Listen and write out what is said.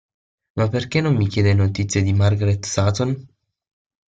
Ma perché non mi chiede notizie di Margaret Sutton?